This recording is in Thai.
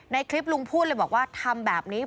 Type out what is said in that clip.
ในคลิปลุงพูดเลยบอกว่าทำแบบนี้